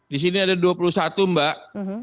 di sini ada dua puluh satu mbak